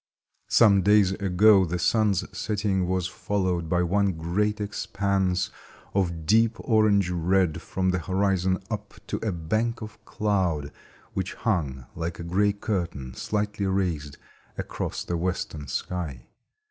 Some days ago the sun's setting was followed by one great expanse of deep orange red from the horizon up to a bank of cloud which hung like a gray curtain, slightly raised, across the western sky.